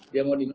dia mau dimana